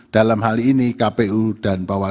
dalam hal ini kpu dan bawaslu